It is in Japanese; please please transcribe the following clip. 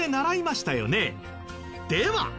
では。